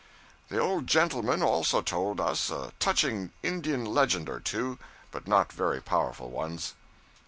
The old gentleman also told us a touching Indian legend or two but not very powerful ones.